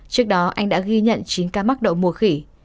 trước đó anh đã ghi nhận chín ca mắc đậu mùa khỉ